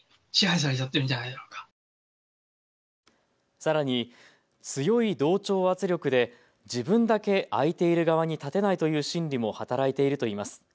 さらに強い同調圧力で自分だけ空いている側に立てないという心理も働いているといいます。